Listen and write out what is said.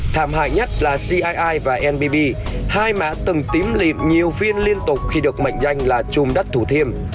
thảm hại nhất là ci và nbb hai mã từng tím lịp nhiều phiên liên tục khi được mệnh danh là chùm đất thủ thiêm